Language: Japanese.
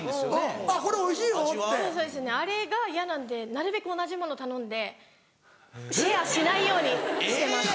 あれが嫌なんでなるべく同じもの頼んでシェアしないようにしてます。